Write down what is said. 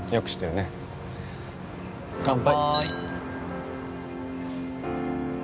乾杯。